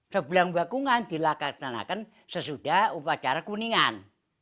sebelang bakungan dilaksanakan sesudah upacara kuningan